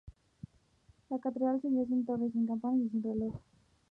La catedral se vio sin torre, sin campanas y sin reloj.